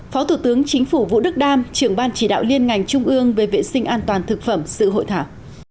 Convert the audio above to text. phó thủ tướng chính phủ vũ đức đam trưởng ban chỉ đạo liên ngành trung ương về vệ sinh an toàn thực phẩm sự hội thảo